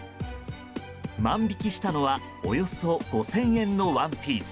万引きしたのはおよそ５０００円のワンピース。